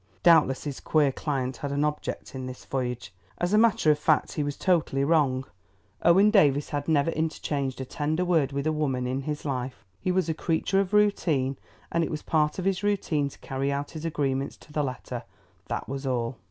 Doubtless his queer client had an object in this voyage. As a matter of fact, he was totally wrong. Owen Davies had never interchanged a tender word with a woman in his life; he was a creature of routine, and it was part of his routine to carry out his agreements to the letter. That was all.